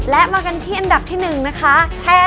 และมากันที่อันดับที่๑นะคะ